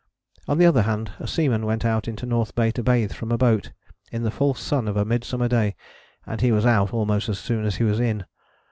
On the other hand, a seaman went out into North Bay to bathe from a boat, in the full sun of a mid summer day, and he was out almost as soon as he was in.